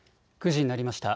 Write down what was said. ９時になりました。